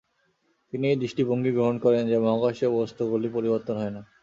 তিনি এই দৃষ্টিভঙ্গি গ্রহণ করেন যে মহাকাশীয় বস্তুগুলি পরিবর্তন হয় না।